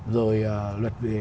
rồi luật về